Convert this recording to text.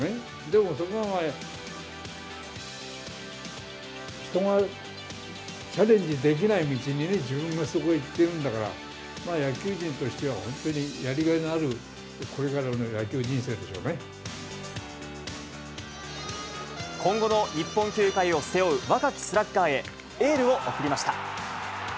でも、そこが人がチャレンジできない道に自分がすごい、いってるんだから、野球人としては非常にやりがいのあるこれからの野球人生でしょう今後の日本球界を背負う若きスラッガーへ、エールを送りました。